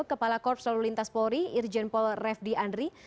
kepala korps lalu lintas polri irjen pol refdi andri